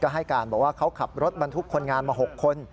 ให้การบอกว่าเขาขับรถบรรทุกคนงานมา๖คน